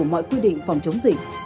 mọi quy định phòng chống dịch